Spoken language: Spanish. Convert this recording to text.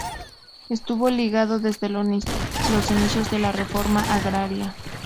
Estuvo ligado desde los inicios en la Reforma Agraria.